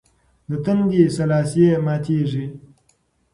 د تندي سلاسې ماتېږي.